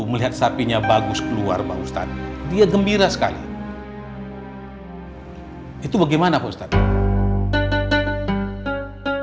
melihat sapinya bagus keluar bahwa ustadz dia gembira sekali itu bagaimana ustadz